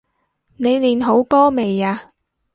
你練好歌未呀？